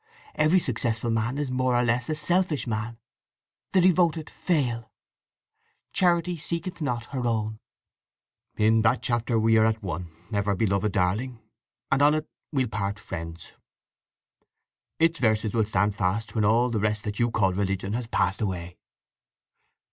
Every successful man is more or less a selfish man. The devoted fail… 'Charity seeketh not her own.'" "In that chapter we are at one, ever beloved darling, and on it we'll part friends. Its verses will stand fast when all the rest that you call religion has passed away!"